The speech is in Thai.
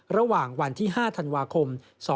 ระหว่างวันที่๕ธันวาคม๒๕๖๒